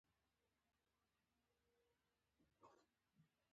هغه ښيي چې په دې سیمه کې استعمار څه ډول و.